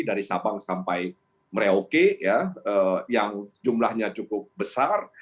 dari sabang sampai merauke yang jumlahnya cukup besar